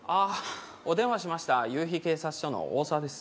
お電話しました夕日警察署の大沢です。